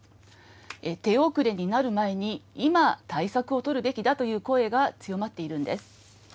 手遅れになる前に、今、対策を取るべきだという声が強まっているんです。